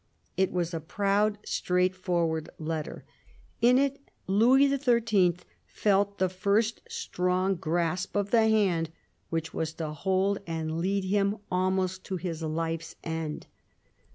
It was a proud, straightforward letter. In it Louis XIII. felt the first strong grasp of the hand which was to hold and lead him almost to his life's end.